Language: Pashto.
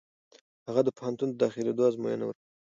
هغه د پوهنتون د داخلېدو ازموینه ورکړه.